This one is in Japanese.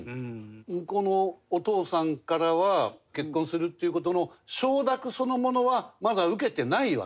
向こうのお父さんからは結婚するっていう事の承諾そのものはまだ受けてないわけだ。